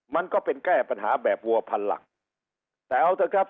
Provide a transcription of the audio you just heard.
มันก็เป็นแก้ปัญหาแบบวัวพันหลักแต่เอาเถอะครับ